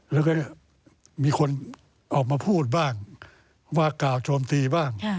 แล้วก็มีคนออกมาพูดบ้างว่ากล่าวโจมตีบ้าง